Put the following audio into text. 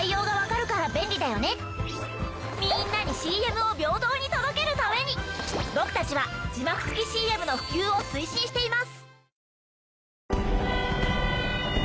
みんなにＣＭを平等に届けるために僕たちは字幕付きＣＭの普及を推進しています。